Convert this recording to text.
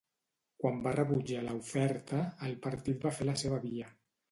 Quan va rebutjar la oferta, el partit va fer la seva via.